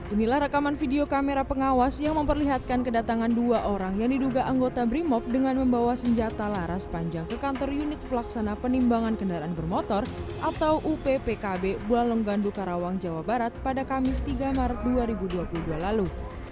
inilah rekaman video kamera pengawas yang memperlihatkan kedatangan dua orang yang diduga anggota brimop dengan membawa senjata laras panjang ke kantor unit pelaksana penimbangan kendaraan bermotor atau uppkb bualong gandu karawang jawa barat pada kamis tiga maret dua ribu dua puluh dua lalu